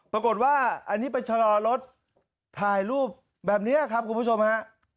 ปรากฏว่าอันนี้ไปชะลอรถถ่ายรูปแบบนี้ครับคุณผู้ชมฮะ